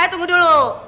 hei tunggu dulu